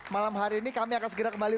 malam hari ini kami akan segera kembali